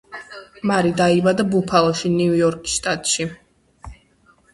მარი დაიბადა ბუფალოში, ნიუ-იორკის შტატში.